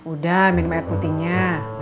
udah minum air putihnya